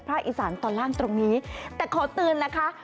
อีสานตอนล่างตรงนี้แต่ขอเตือนนะคะ